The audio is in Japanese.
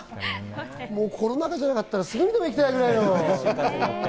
コロナ禍じゃなかったら、すぐにでも行きたいくらい。